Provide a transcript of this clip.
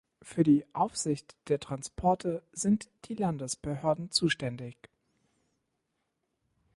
Für die Aufsicht der Transporte sind die Landesbehörden zuständig.